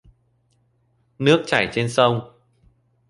Nước chảy trên sông